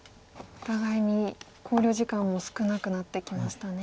お互いに考慮時間も少なくなってきましたね。